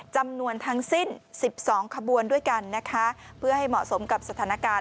จำนวนทั้งสิ้น๑๒ขบวนด้วยกันนะคะเพื่อให้เหมาะสมกับสถานการณ์